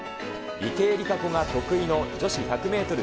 池江璃花子が得意の女子１００メートル